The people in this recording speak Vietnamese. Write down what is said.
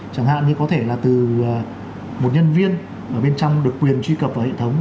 chẳng hạn như có thể là từ một nhân viên ở bên trong được quyền truy cập vào hệ thống